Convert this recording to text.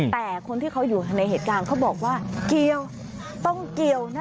แต่คนที่เขาอยู่ในเหตุการณ์เขาบอกว่าเกี่ยวต้องเกี่ยวนะ